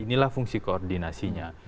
inilah fungsi koordinasinya